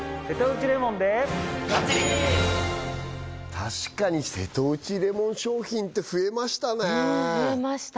確かに瀬戸内レモン商品って増えましたねうん増えました